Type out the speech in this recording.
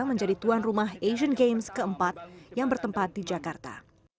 menjadi tuan rumah asian games keempat yang bertempat di jakarta